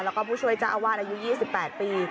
แล้วก็ผู้ช่วยเจ้าอาวาสอายุ๒๘ปี